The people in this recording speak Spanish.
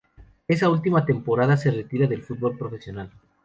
Esa última temporada se retira del fútbol profesional.